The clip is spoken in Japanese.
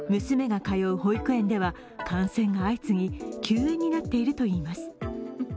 娘が通う保育園では感染が相次ぎ、休園になっているといいます。